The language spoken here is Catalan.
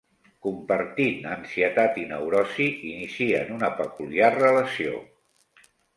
Compartint ansietat i neurosi, inicien una peculiar relació.